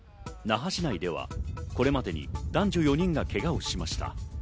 那覇市内ではこれまでに男女４人がけがをしました。